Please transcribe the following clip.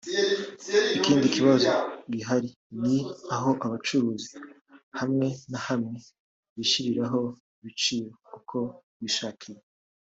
Ikindi kibazo gihari ni aho abacuruzi hamwe na hamwe bishyiriraho ibiciro uko bishakiye